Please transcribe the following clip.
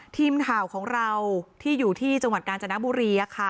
ทีมข่าวของเราที่อยู่ที่จังหวัดกาญจนบุรี